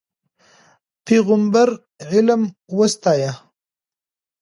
پیغمبر علم وستایه.